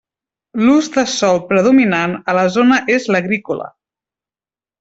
L'ús de sòl predominant a la zona és l'agrícola.